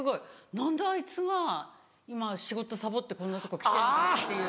「何であいつが今仕事サボってこんなとこ来てんだ」っていう。